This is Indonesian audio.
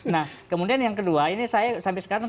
nah kemudian yang kedua ini saya sampai sekarang